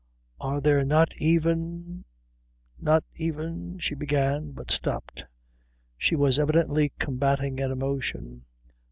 "Are there not even not even " she began, but stopped. She was evidently combating an emotion.